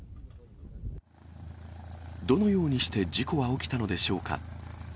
どのようにして事故は起きたのでしょうか。